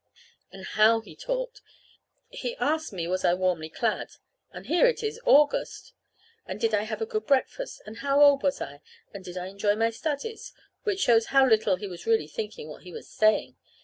And how he talked! He asked me was I warmly clad (and here it is August!), and did I have a good breakfast, and how old was I, and did I enjoy my studies which shows how little he was really thinking what he was saying.